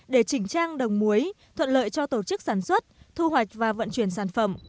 để chỉnh trang đồng muối thuận lợi cho tổ chức sản xuất thu hoạch và vận chuyển sản phẩm